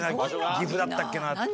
岐阜だったっけな？って。